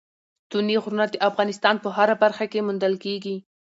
ستوني غرونه د افغانستان په هره برخه کې موندل کېږي.